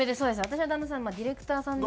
私は旦那さんまあディレクターさん。